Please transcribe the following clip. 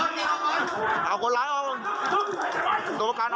อย่าทายอย่าทาย